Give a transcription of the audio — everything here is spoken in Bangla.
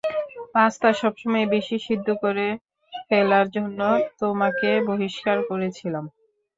পাস্তা সবসময় বেশি সেদ্ধ করে ফেলার জন্য তোমাকে বহিষ্কার করেছিলাম।